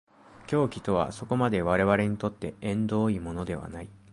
狂気とはそこまで我々にとって縁遠いものではない。